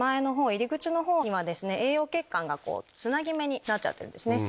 入り口の方には栄養血管がつなぎ目になっちゃってるんですね。